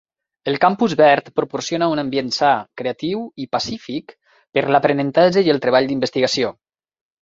El campus verd proporciona un ambient sa, creatiu i pacífic per l'aprenentatge i el treball d'investigació.